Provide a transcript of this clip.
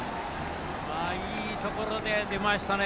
いいところで出ましたね